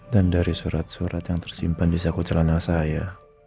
dan dari surat surat yang tersimpan di saku celana saya